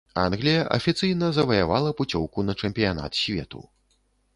Англія афіцыйна заваявала пуцёўку на чэмпіянат свету.